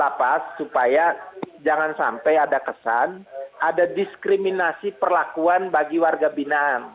lapas supaya jangan sampai ada kesan ada diskriminasi perlakuan bagi warga binaan